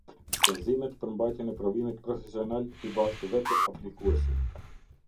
Shpenzimet për mbajtjen e provimit profesional i bartë vetë aplikuesi.